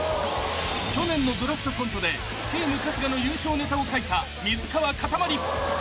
［去年の『ドラフトコント』でチーム春日の優勝ネタを書いた水川かたまり］